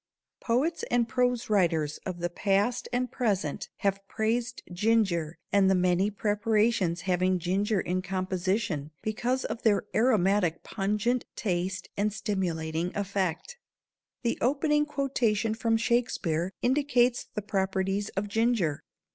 Poets and prose writers of the past and present have praised ginger and the many preparations having ginger in composition, because of their aromatic pungent taste and stimulating effect. The opening quotation from Shakespeare indicates the properties of ginger.